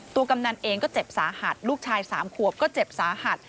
กำนันเองก็เจ็บสาหัสลูกชาย๓ขวบก็เจ็บสาหัส